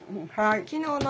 昨日の。